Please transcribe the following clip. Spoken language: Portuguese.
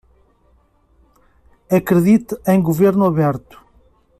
Acredite em governo aberto